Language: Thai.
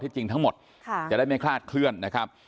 จริงทั้งหมดจะได้ไม่คลาดเคลื่อนนะครับ